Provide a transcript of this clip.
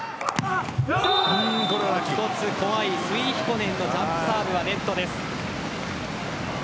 一つ怖い、スイヒコネンのジャンプサーブはネットです。